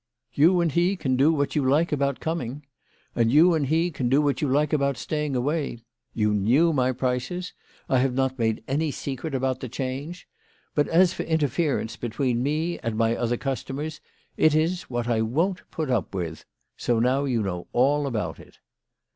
You and he can do what you like about coming. And you and he can do what you like about staying away. You knew my prices. I have not made any secret about the change. But as for interference between me and my other customers, it is what I won't put up with. So now you know all about it."